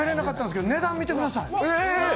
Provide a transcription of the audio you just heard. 値段見てください。